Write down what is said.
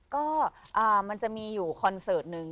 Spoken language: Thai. ก็มันจะมีอยู่คอนเสิร์ตหนึ่ง